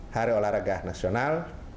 hari olahraga nasional